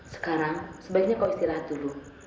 sekarang sebaiknya kok istirahat dulu